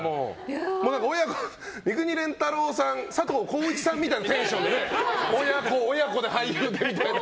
三國連太郎さん佐藤浩市さんみたいなテンションで親子で俳優でみたいな。